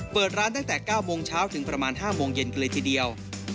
เปิดร้านตั้งแต่๙โมงเช้าถึงประมาณ๕โมงเย็นกันเลยทีเดียว